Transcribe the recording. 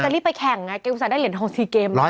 แต่จะรีบไปแข่งไงกับอุปสรรค์ได้เหลียนทอง๔เกม